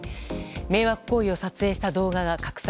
迷惑行為を撮影した動画が拡散。